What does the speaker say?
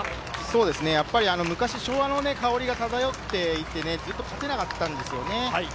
昔、昭和の香りが漂っていて勝てなかったんですよね。